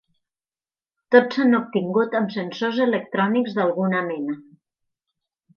Tots s'han obtingut amb sensors electrònics d'alguna mena.